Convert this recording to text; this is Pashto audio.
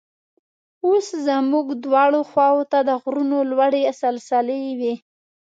اوس زموږ دواړو خواو ته د غرونو لوړې سلسلې وې.